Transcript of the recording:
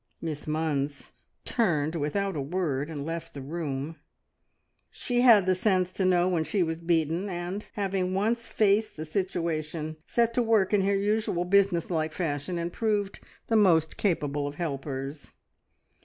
Miss Munns turned without a word, and left the room. She had the sense to know when she was beaten, and, having once faced the situation, set to work in her usual business like fashion, and proved the most capable of helpers.